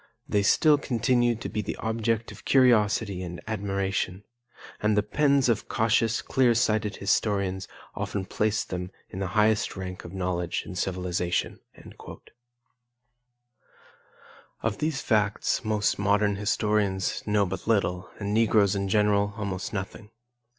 They still continue the object of curiosity and admiration; and the pens of cautious, clear sighted historians often place them in the highest rank of knowledge and civilization." Of these facts most modern historians know but little and Negroes in general almost nothing.